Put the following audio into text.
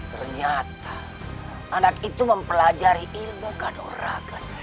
ternyata anak itu mempelajari ilmu kadorakan